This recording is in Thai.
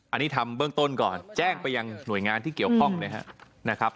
อันนี้ทำเบื้องต้นก่อนแจ้งไปยังหน่วยงานที่เกี่ยวข้องนะครับ